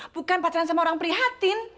bukan pacaran sama orang prihatin